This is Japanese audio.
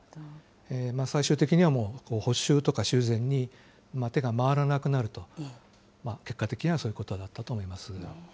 最終的には補修とか修繕に手が回らなくなると、結果的にはそういうことになったと思います。